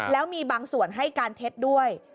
แล้วมีบางส่วนให้การเท็จด้วย